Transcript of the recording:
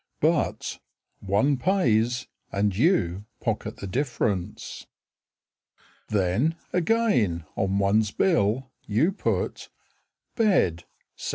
But One pays, And you pocket the difference. Then, again, on one's bill You put Bed, 7s.